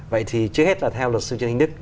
vậy thì trước hết là theo luật sư trương hình đức